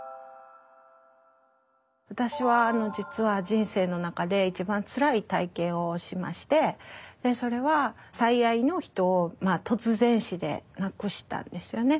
私は実は人生の中で一番つらい体験をしましてそれは最愛の人を突然死で亡くしたんですよね。